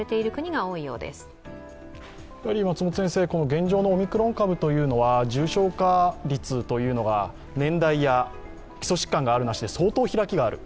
現状のオミクロン株というのは、重症化率が年代や、基礎疾患があるなしで相当ひらきがある。